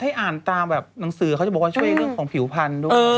ให้อ่านตามแบบหนังสือเขาจะบอกว่าช่วยเรื่องของผิวพันธุ์ด้วย